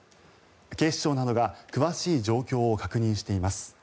警視庁などが詳しい状況を確認しています。